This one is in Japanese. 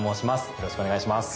よろしくお願いします。